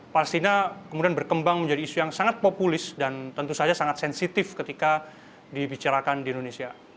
palestina kemudian berkembang menjadi isu yang sangat populis dan tentu saja sangat sensitif ketika dibicarakan di indonesia